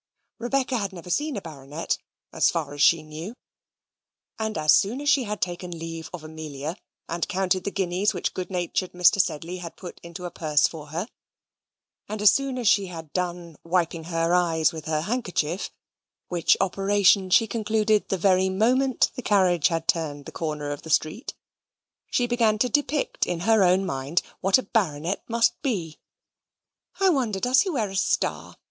Rebecca had never seen a Baronet, as far as she knew, and as soon as she had taken leave of Amelia, and counted the guineas which good natured Mr. Sedley had put into a purse for her, and as soon as she had done wiping her eyes with her handkerchief (which operation she concluded the very moment the carriage had turned the corner of the street), she began to depict in her own mind what a Baronet must be. "I wonder, does he wear a star?"